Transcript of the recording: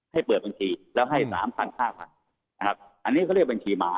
ให้เปิดบัญชีแล้วให้สามพันห้าพันนะครับอันนี้เขาเรียกบัญชีม้า